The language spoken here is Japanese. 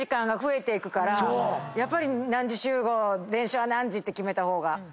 やっぱり何時集合電車は何時って決めた方が。